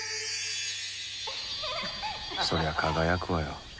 そりゃ輝くわよ。